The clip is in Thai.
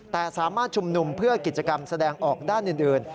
แต่สามารถชุมนุมเพื่อกิจกรรมแสดงออกด้านอื่น